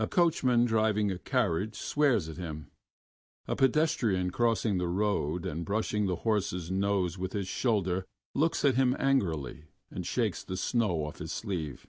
A coachman driving a carriage swears at him; a pedestrian crossing the road and brushing the horse's nose with his shoulder looks at him angrily and shakes the snow off his sleeve.